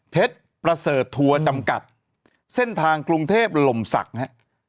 ประเสริฐทัวร์จำกัดเส้นทางกรุงเทพลมศักดิ์ฮะ